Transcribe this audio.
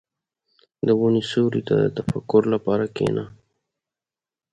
• د ونې سیوري ته د تفکر لپاره کښېنه.